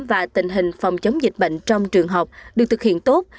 và tình hình phòng chống dịch bệnh trong trường học được thực hiện tốt